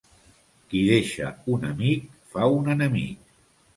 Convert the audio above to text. Qui deixa un amic fa un enemic.